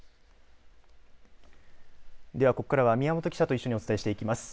では、ここからは宮本記者と一緒にお伝えしていきます。